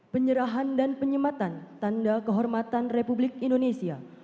penyerahan dan penyematan tanda kehormatan republik indonesia